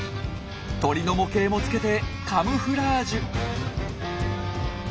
鳥の模型もつけてカムフラージュ。